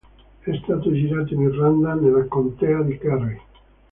È stato girato in Irlanda, nella contea di Kerry.